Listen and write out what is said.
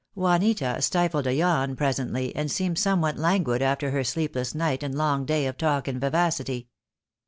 Juanita stifled a yawn presently, and seemed some what languid after her sleepless night and long day of talk and vivacity.